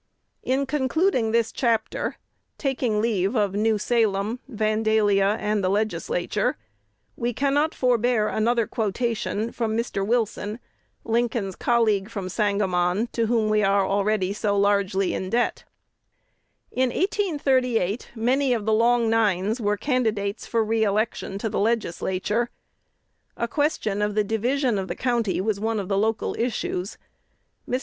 In concluding this chapter, taking leave of New Salem, Vandalia, and the Legislature, we cannot forbear another quotation from Mr. Wilson, Lincoln's colleague from Sangamon, to whom we are already so largely in debt: "In 1838 many of the Long Nines were candidates for re election to the Legislature. A question of the division of the county was one of the local issues. Mr.